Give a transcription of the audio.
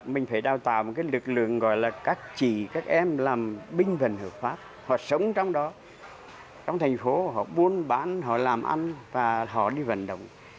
mình phải đào tạo một cái lực lượng gọi là các chị các em làm binh vận hợp pháp họ sống trong đó trong thành phố họ buôn bán họ làm ăn và họ đi vận động